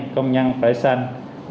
hai công nhân phải xanh